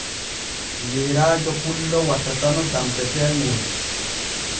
Yeerajo pullo wattatano danpeteeŋol.